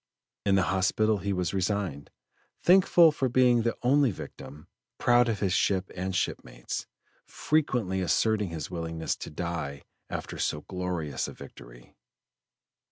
In the hospital he was resigned, thankful for being the only victim, proud of his ship and shipmates, frequently asserting his willingness to die after so glorious a victory.